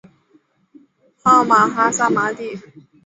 号玛哈萨嘛谛。